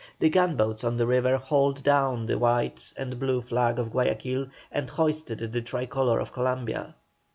The gunboats on the river hauled down the white and blue flag of Guayaquil and hoisted the tri colour of Columbia.